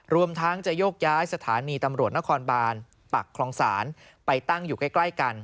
รวมทั้งจะโยกย้ายสถานีตำรวจนครบานปักคลองศาลไปตั้งอยู่ใกล้กัน